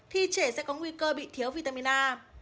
thì trẻ sẽ có nguy cơ bị thiếu vitamin a